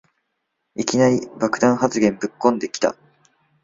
いきなり爆弾発言ぶっこんできた